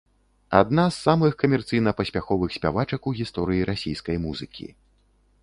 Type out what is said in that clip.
Адна з самых камерцыйна паспяховых спявачак у гісторыі расійскай музыкі.